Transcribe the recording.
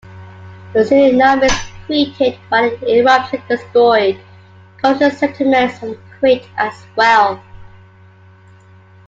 The tsunamis created by the eruption destroyed coastal settlements on Crete as well.